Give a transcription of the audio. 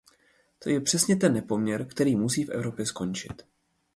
To je přesně ten nepoměr, který musí v Evropě skončit.